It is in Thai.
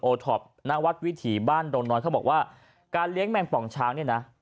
ท็อปณวัดวิถีบ้านดงน้อยเขาบอกว่าการเลี้ยงแมงป่องช้างเนี่ยนะ